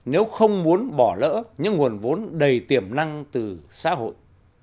nếu không muốn bỏ lỡ những nguồn vốn đầy tiềm năng từ xã hội